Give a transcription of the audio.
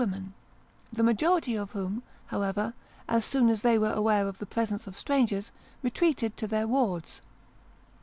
women : the majority of whom, however, as soon as they were aware of the presence of strangers, retreated to their wards.